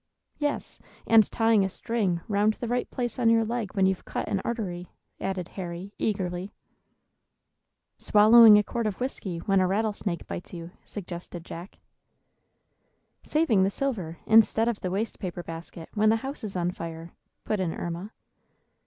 "Yes, and tying a string round the right place on your leg when you've cut an artery," added Harry, eagerly. "Swallowing a quart of whiskey when a rattlesnake bites you," suggested Jack. "Saving the silver, instead of the waste paper basket, when the house is on fire," put in Erma.